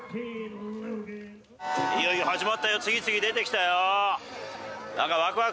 いよいよ始まったよ、次々出てきたよ。